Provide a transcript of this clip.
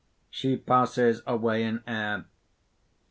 (_She passes away in air.